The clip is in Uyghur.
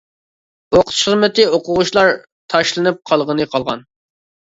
ئوقۇتۇش خىزمىتى، ئوقۇغۇچىلار تاشلىنىپ قالغىنى قالغان.